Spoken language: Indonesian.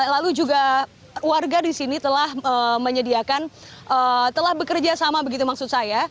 lalu juga warga di sini telah menyediakan telah bekerja sama begitu maksud saya